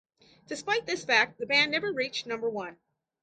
Despite this fact, the band never reached number one.